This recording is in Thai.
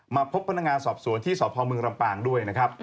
มาพบพนักงานสอบสวนที่สพมลำปางด้วย